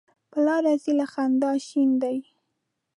پر لار ځي له خندا شینې دي.